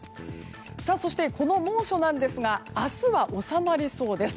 そして、この猛暑なんですが明日は収まりそうです。